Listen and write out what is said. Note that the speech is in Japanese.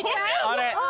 あれ？